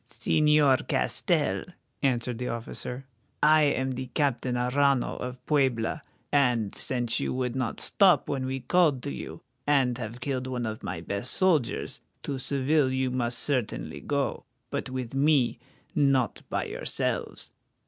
"Señor Castell," answered the officer, "I am the Captain Arrano of Puebla, and, since you would not stop when we called to you, and have killed one of my best soldiers, to Seville you must certainly go, but with me, not by yourselves.